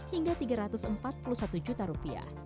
hingga tiga ratus empat puluh satu juta rupiah